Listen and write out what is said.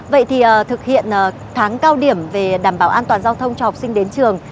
vậy thì thực hiện tháng cao điểm về đảm bảo an toàn giao thông cho học sinh đến trường